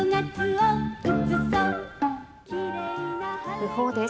訃報です。